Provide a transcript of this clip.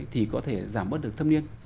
thì có thể giảm bớt được thâm niên